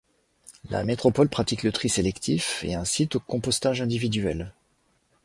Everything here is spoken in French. La métropole pratique le tri sélectif et incite au compostage individuel.